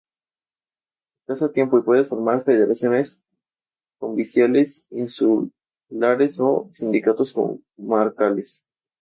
La metodología utilizada era adaptada al ambiente social de los seminaristas.